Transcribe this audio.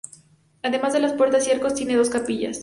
Además de las puertas y arcos, tiene dos capillas.